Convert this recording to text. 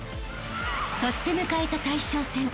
［そして迎えた大将戦］